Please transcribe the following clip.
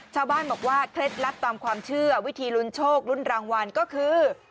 ชาวบ้านบอกว่าเคล็ดลับตามความเชื่อวิธีลุ้นโชคลุ้นรางวัลก็คือ